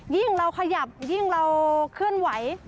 ยิ่งเราขยับยิ่งเราเคลื่อนไหว